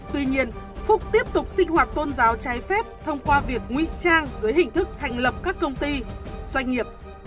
tuy nhiên phúc tiếp tục sinh hoạt tôn giáo trái phép thông qua việc nguy trang dưới hình thức thành lập các công ty doanh nghiệp